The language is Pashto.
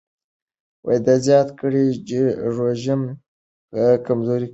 ده زیاته کړه چې رژیم کمزوری کېږي.